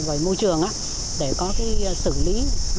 và môi trường để có xử lý kịp thải